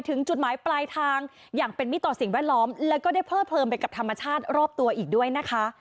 ถึงจุดหมายปลายทางอย่างเป็นมิตรต่อสิ่งแวดล้อมแล้วก็ได้เพิดเพลินไปกับธรรมชาติรอบตัวอีกด้วยนะคะ